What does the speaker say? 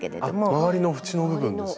周りの縁の部分ですね。